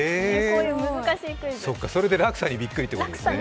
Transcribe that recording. それで落差にびっくりということですね。